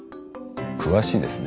詳しいですね。